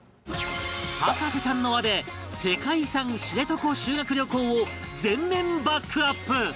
博士ちゃんの輪で世界遺産知床修学旅行を全面バックアップ